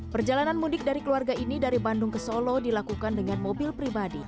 perjalanan mudik dari keluarga ini dari bandung ke solo dilakukan dengan mobil pribadi